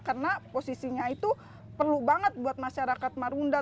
karena posisinya itu perlu banget buat masyarakat marunda